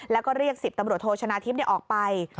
แล้วก็เรียก๑๐ตำรวจโทชนะทิพย์ออกไป